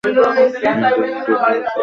ইন্টারনেটের জন্য, স্যার।